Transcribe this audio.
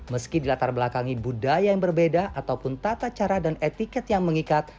meski dilatar belakangi budaya yang berbeda ataupun tata cara dan etiket yang mengikat